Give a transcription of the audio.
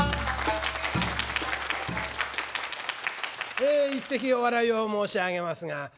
え一席お笑いを申し上げますが。